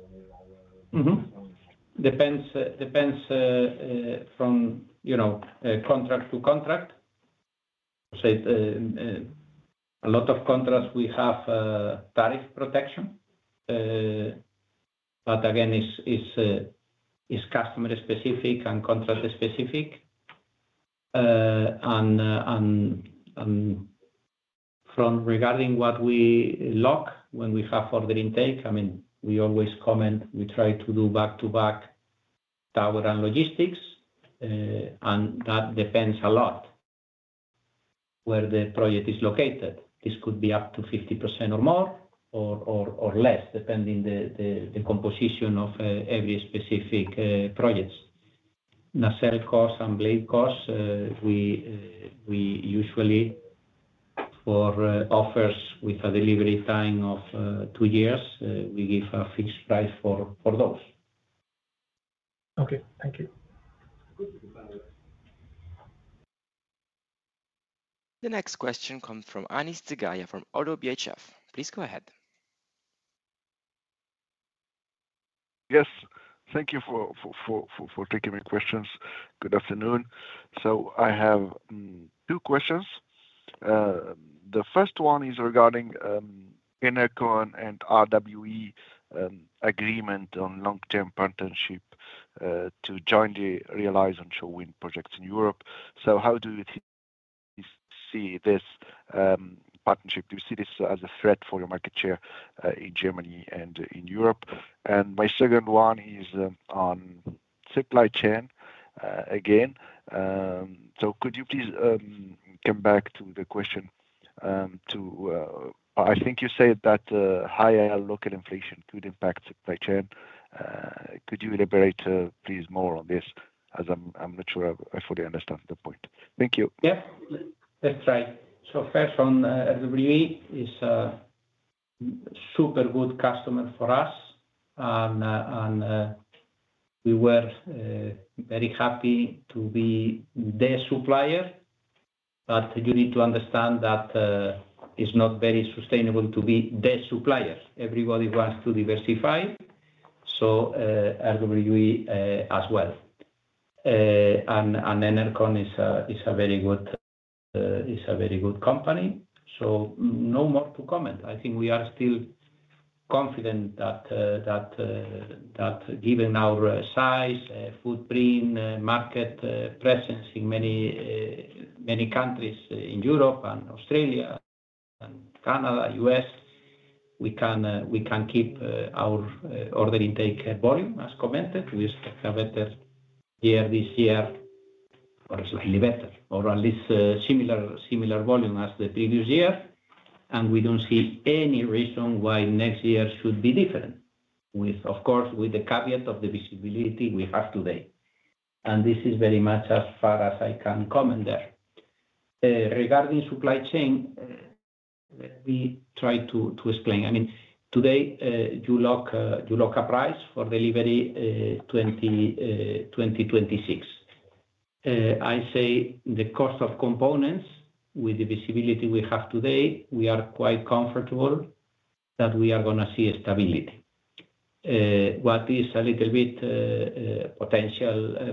Depends from contract to contract. A lot of contracts we have tariff protection. Again, it's customer-specific and contract-specific. Regarding what we lock when we have order intake, I mean, we always comment we try to do back-to-back tower and logistics, and that depends a lot where the project is located. This could be up to 50% or more or less, depending on the composition of every specific project. Nacelle costs and blade costs, we usually for offers with a delivery time of two years, we give a fixed price for those. Okay. Thank you. The next question comes from Anis Zgaya from ODDO BHF. Please go ahead. Yes. Thank you for taking my questions. Good afternoon. I have two questions. The first one is regarding ENERCON and RWE agreement on long-term partnership to jointly realize onshore wind projects in Europe. How do you see this partnership? Do you see this as a threat for your market share in Germany and in Europe? My second one is on supply chain, again. Could you please come back to the question? I think you said that higher local inflation could impact supply chain. Could you elaborate, please, more on this? I'm not sure I fully understand the point. Thank you. Yeah. That's right. First, on RWE, it is a super good customer for us, and we were very happy to be their supplier. You need to understand that it is not very sustainable to be their supplier. Everybody wants to diversify, so RWE as well. ENERCON is a very good company. No more to comment. I think we are still confident that given our size, footprint, market presence in many countries in Europe and Australia and Canada, US, we can keep our order intake volume, as commented. We expect a better year this year or slightly better, or at least similar volume as the previous year. We do not see any reason why next year should be different, of course, with the caveat of the visibility we have today. This is very much as far as I can comment there. Regarding supply chain, let me try to explain. I mean, today, you lock a price for delivery 2026. I say the cost of components with the visibility we have today, we are quite comfortable that we are going to see stability. What is a little bit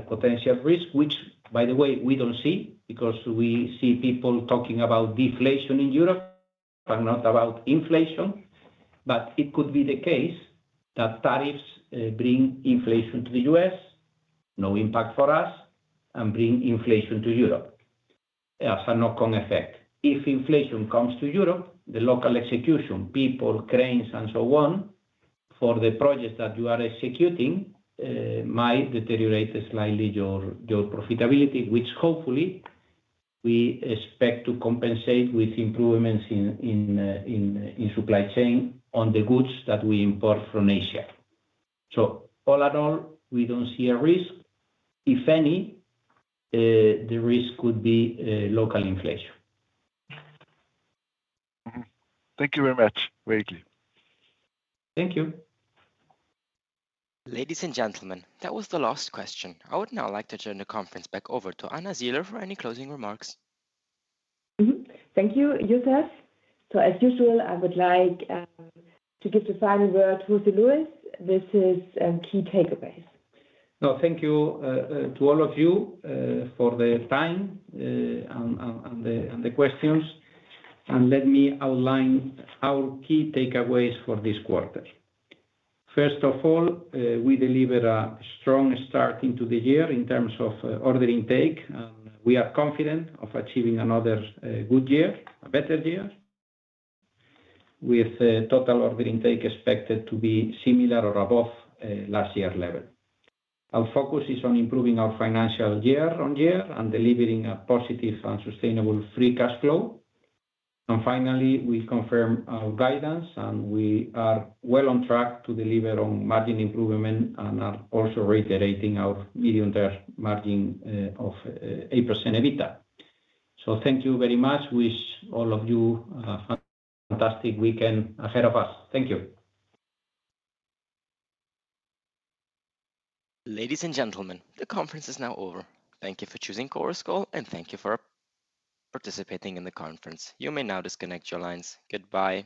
potential risk, which, by the way, we do not see because we see people talking about deflation in Europe and not about inflation. It could be the case that tariffs bring inflation to the US, no impact for us, and bring inflation to Europe as a knock-on effect. If inflation comes to Europe, the local execution, people, cranes, and so on for the projects that you are executing might deteriorate slightly your profitability, which hopefully we expect to compensate with improvements in supply chain on the goods that we import from Asia. All in all, we do not see a risk. If any, the risk could be local inflation. Thank you very much, very clear. Thank you. Ladies and gentlemen, that was the last question. I would now like to turn the conference back over to Anja Siehler for any closing remarks. Thank you, Yusuf. As usual, I would like to give the final word to José Luis. This is key takeaways. No, thank you to all of you for the time and the questions. Let me outline our key takeaways for this quarter. First of all, we deliver a strong start into the year in terms of order intake. We are confident of achieving another good year, a better year, with total order intake expected to be similar or above last year's level. Our focus is on improving our financial year-on-year and delivering a positive and sustainable free cash flow. Finally, we confirm our guidance, and we are well on track to deliver on margin improvement and are also reiterating our medium-term margin of 8% EBITDA. Thank you very much. Wish all of you a fantastic weekend ahead of us. Thank you. Ladies and gentlemen, the conference is now over. Thank you for choosing chorus call, and thank you for participating in the conference. You may now disconnect your lines. Goodbye.